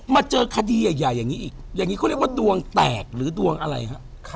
มาเจอคดีใหญ่อย่างนี้อีกอย่างนี้เขาเรียกว่าดวงแตกหรือดวงอะไรฮะ